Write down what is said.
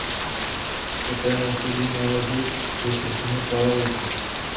Poté následují nálezy ze svrchního paleolitu.